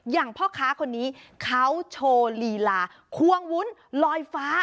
อย่างเพราะค้าคนนี้เขาโชว์ลีลาควงวุ้นลอยฟ้า